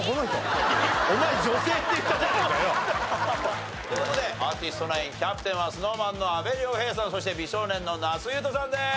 お前女性って言ったじゃねえかよ。という事でアーティストナインキャプテンはＳｎｏｗＭａｎの阿部亮平さんそして美少年の那須雄登さんです！